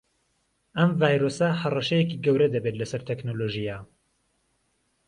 ئەم ڤایرۆسە هەڕەشەیەکی گەورە دەبێت لەسەر تەکنەلۆژیا